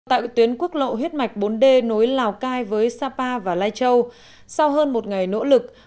tại tuyến quốc lộ hết mạch bốn d nối lào cai với sapa và lai châu sau hơn một ngày nỗ lực